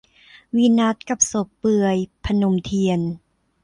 วีนัสกับศพเปลือย - พนมเทียน